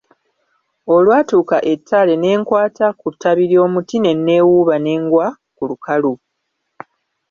Olwatuuka ettale ne nkwata ku ttabi ly'omuti ne nneewuuba ne ngwa ku lukalu.